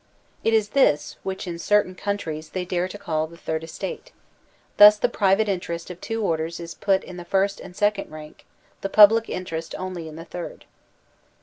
It is this which in certain cotmtries they dare to call the third estate. Thus the private interest of two orders is put in the first and second rank, the public interest only in the third.